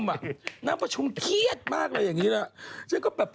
อันนี้มันยังไง